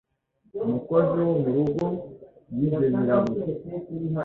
Umukozi wo mu rugo yibye nyirabuja...